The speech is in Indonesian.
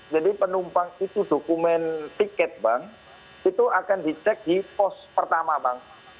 jadi penumpang itu dokumen tiket bang itu akan dicek di pos pertama bang